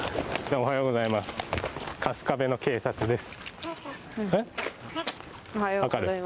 おはようございます。